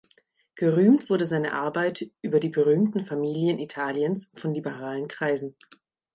Gerühmt wurde seine Arbeit über die berühmten Familien Italiens von liberalen Kreisen.